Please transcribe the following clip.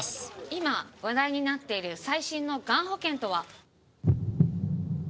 今話題になっている最新のがん保険とは？